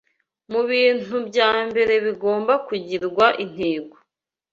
Mu bintu bya mbere bigomba kugirwa intego